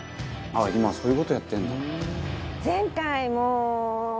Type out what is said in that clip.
「今そういう事やってるんだ」